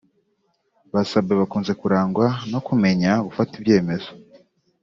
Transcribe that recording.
Ba Sabin bakunze kurangwa no kumenya gufata ibyemezo